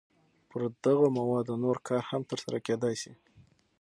پر دغو موادو نور کار هم تر سره کېدای شي.